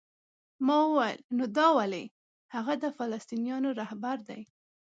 ما وویل: نو دا ولې؟ هغه د فلسطینیانو رهبر دی؟